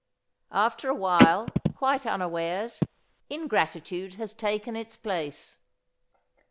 After a while, quite unawares, ingratitude has taken its place.